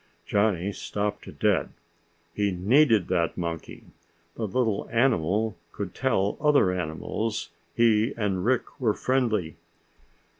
Johnny stopped dead. He needed that monkey. The little animal could tell other animals he and Rick were friendly.